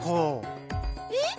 え？